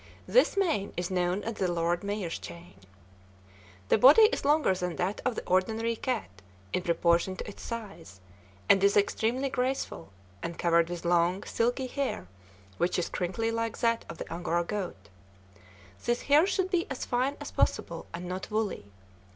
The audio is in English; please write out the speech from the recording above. This mane is known as the "lord mayor's chain." The body is longer than that of the ordinary cat in proportion to its size, and is extremely graceful, and covered with long, silky hair, which is crinkly like that of the Angora goat. This hair should be as fine as possible, and not woolly.